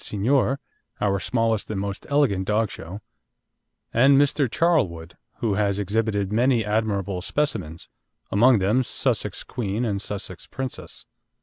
Signor, our smallest and most elegant show dog; and Mr. Charlwood, who has exhibited many admirable specimens, among them Sussex Queen and Sussex Princess.